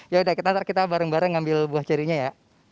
yaudah nanti kita bareng bareng ambil buah cherry nya ya